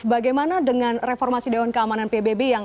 bagaimana dengan reformasi dewan keamanan pbb yang